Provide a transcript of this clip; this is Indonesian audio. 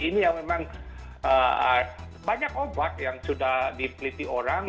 ini yang memang banyak obat yang sudah dipeliti orang